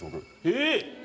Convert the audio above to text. えっ！